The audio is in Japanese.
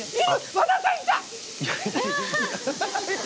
和田さんいた！